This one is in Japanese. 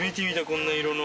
こんな色の。